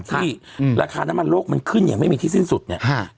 ที่ราคาน้ำมันโลกมันขึ้นอย่างไม่มีที่สิ้นสุดเนี่ย